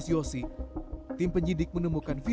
saya juga hidup dengan anak anak